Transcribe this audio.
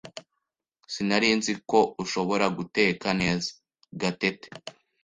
Sinari nzi ko ushobora guteka neza, Gatete.